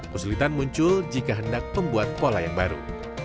kesulitan muncul jika hendak membuat pola yang baru